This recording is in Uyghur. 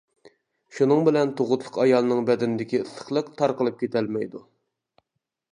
شۇنىڭ بىلەن تۇغۇتلۇق ئايالنىڭ بەدىنىدىكى ئىسسىقلىق تارقىلىپ كېتەلمەيدۇ.